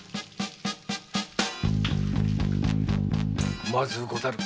〔まずうござる。